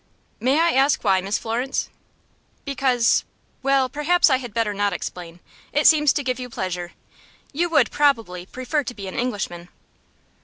"May I ask why, Miss Florence?" "Because Well, perhaps I had better not explain. It seems to give you pleasure. You would, probably, prefer to be an Englishman."